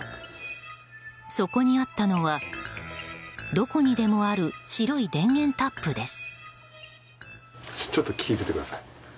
そこにあったのはどこにでもある白い電源タップです。